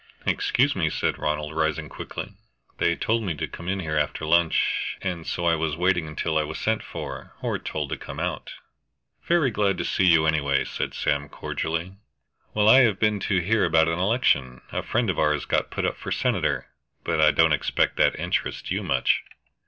"Excuse me," said Ronald, rising quickly. "They told me to come in here after lunch, and so I was waiting until I was sent for, or told to come out." "Very glad to see you, any way," said Sam cordially. "Well, I have been to hear about an election a friend of ours got put up for senator. But I don't expect that interests you much?"